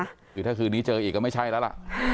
คือถ้าคืนนี้เจออีกก็ไม่ใช่แล้วล่ะ